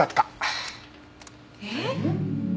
えっ！？